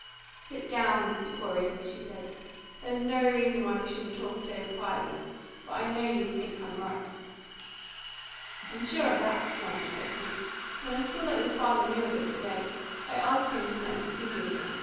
"Sit down, Mr. Corey," she said. "There's no reason why we shouldn't talk it over quietly; for I know you will think I'm right." "I'm sure of that," he answered hopefully. "When I saw that your father knew of it to day, I asked him to let me see you again.